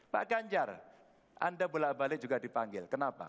pak ganjar anda bolak balik juga dipanggil kenapa